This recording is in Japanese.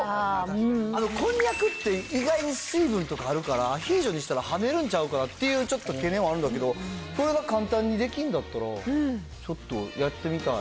こんにゃくって意外に水分とかあるからアヒージョにしたら跳ねるんちゃうかなっていう懸念はあるんだけどこれが簡単にできるんだったらちょっとやってみたい。